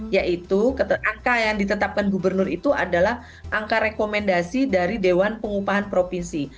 yaitu angka yang ditetapkan gubernur itu adalah angka rekomendasi dari dewan pengupahan provinsi